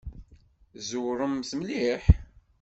Tzewṛemt mliḥ!